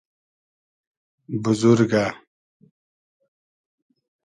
بوزورگۂ